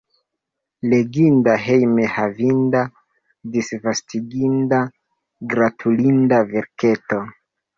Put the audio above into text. Leginda, hejme havinda, disvastiginda, gratulinda verketo.